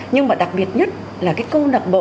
nhưng mà đặc biệt nhất là cái câu lạc bộ